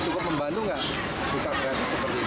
cukup membantu nggak buka gratis seperti ini